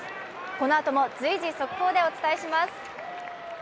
このあとも随時、速報でお伝えします。